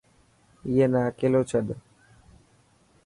ائي نا اڪيلو ڇڏ.